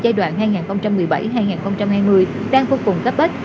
giai đoạn hai nghìn một mươi bảy hai nghìn hai mươi đang vô cùng cấp bách